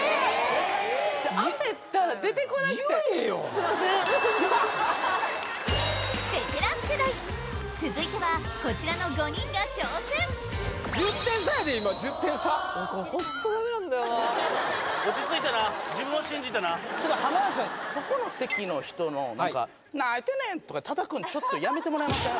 すいませんベテラン世代続いてはこちらの５人が挑戦１０点差やで今１０点差ちょっと浜田さんそこの席の人の「なーに言うてんねん」とかってたたくのやめてもらえません？